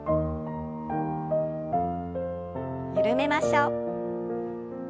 緩めましょう。